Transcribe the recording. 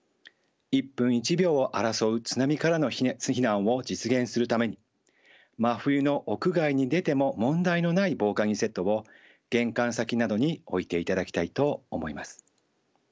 一分一秒を争う津波からの避難を実現するために真冬の屋外に出ても問題のない防寒着セットを玄関先などに置いていただきたいと思います。